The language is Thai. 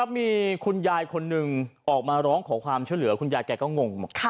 มีคุณยายคนหนึ่งออกมาร้องขอความช่วยเหลือคุณยายแกก็งง